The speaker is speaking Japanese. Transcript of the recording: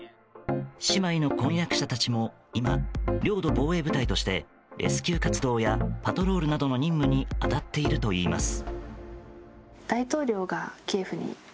姉妹の婚約者たちも今領土防衛部隊としてレスキュー活動やパトロールなどの任務に当たっているといいます。